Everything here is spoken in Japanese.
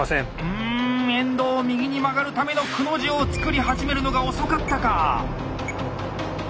うん遠藤右に曲がるための「くの字」を作り始めるのが遅かったか。